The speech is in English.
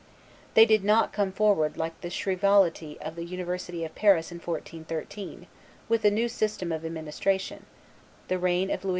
They did not come forward like the shrievalty of the University of Paris in 1413, with a new system of administration; the reign of Louis XI.